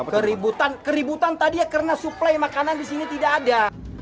keributan keributan tadi ya karena suplai makanan di sini tidak ada